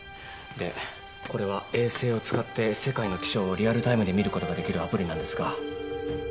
でこれは衛星を使って世界の気象をリアルタイムで見ることができるアプリなんですが。